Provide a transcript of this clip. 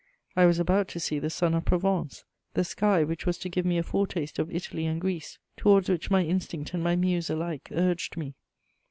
I was about to see the sun of Provence, the sky which was to give me a fore taste of Italy and Greece, towards which my instinct and my muse alike urged me.